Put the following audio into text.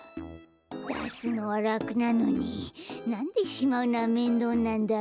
だすのはらくなのになんでしまうのはめんどうなんだろう。